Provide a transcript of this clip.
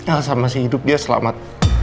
asal masih hidup dia selamat